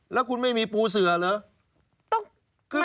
แล้วคุณไม่มีปูเสือเหรอ